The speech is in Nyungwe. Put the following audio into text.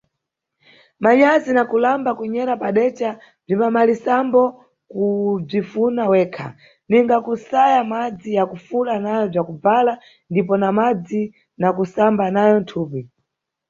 Manyazi na kulamba kunyera padeca bzimbamalisambo kubzifuna wekha, ninga kusaya madzi ya kufula nayo bzakubvala ndipo na madzi na kusamba nayo thupi.